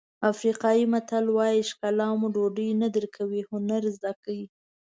افریقایي متل وایي ښکلا مو ډوډۍ نه درکوي هنر زده کړئ.